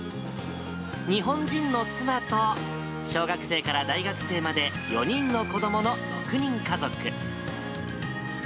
日本人の妻と、小学生から大学生まで４人の子どもの６人家族。